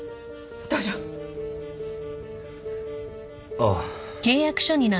ああ